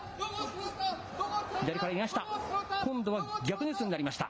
左からいなした。